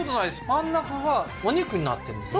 真ん中がお肉になってるんですね